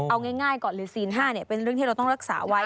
เอาง่ายก่อนหรือ๔๕เป็นเรื่องที่เราต้องรักษาไว้